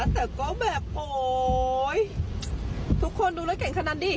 แต่ก็แบบโหทุกคนดูและเก่งขนาดนี่